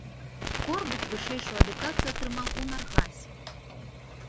Корбут вышэйшую адукацыю атрымаў у наргасе.